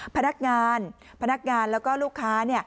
พนักงานพนักงานแล้วก็ลูกค้า